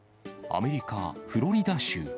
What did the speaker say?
アメリカ・フロリダ州。